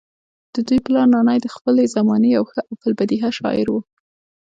ددوي پلار نانے د خپلې زمانې يو ښۀ او في البديهه شاعر وو